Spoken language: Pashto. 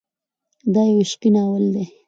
دا يو عشقي ناول دی.